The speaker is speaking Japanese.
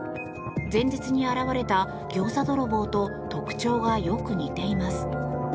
前日に現れたギョーザ泥棒と特徴がよく似ています。